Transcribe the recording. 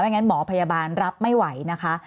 งั้นหมอพยาบาลรับไม่ไหวนะคะ